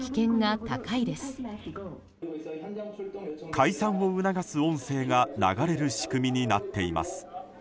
解散を促す音声が流れる仕組みになっています。